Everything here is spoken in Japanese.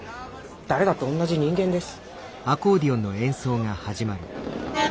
誰だって同じ人間です。